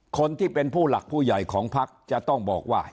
คนที่เป็นผู้หลักผู้ใหญ่ของพักจะต้องบอกว่า